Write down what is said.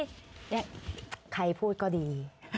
นี่ใครพูดก็ดี